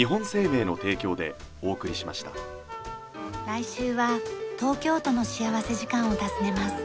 来週は東京都の幸福時間を訪ねます。